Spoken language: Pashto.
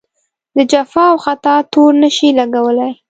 د جفا او خطا تور نه شي لګولای.